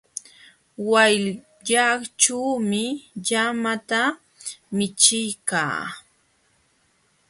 Wayllaćhuumi llamata michiykaa.